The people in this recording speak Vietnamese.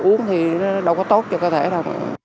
uống thì đâu có tốt cho cơ thể đâu